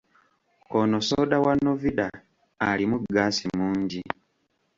Ono soda wa Novida alimu ggaasi mungi.